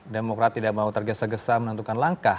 demokrat tidak mau tergesa gesa menentukan langkah